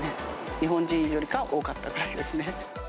日本人よりかは多かったぐらいですね。